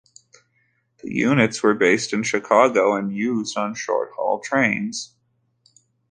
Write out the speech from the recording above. The units were based in Chicago and used on short-haul trains.